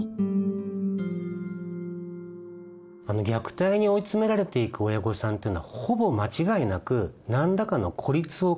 虐待に追い詰められていく親御さんっていうのはほぼ間違いなく何らかの孤立を感じてるはずなんです。